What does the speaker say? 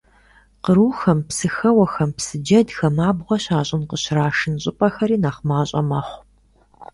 Кърухэм, псыхэуэхэм, псы джэдхэм абгъуэ щащӀын, къыщрашын щӀыпӀэхэри нэхъ мащӀэ мэхъу.